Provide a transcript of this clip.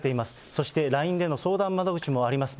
そしてＬＩＮＥでの相談窓口もあります。